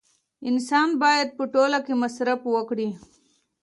انسان باید په ټوله کې مصرف وکړي